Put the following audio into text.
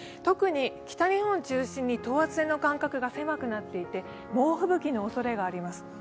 特に北日本中心に等圧線の間隔が狭くなっていて猛吹雪のおそれがあります。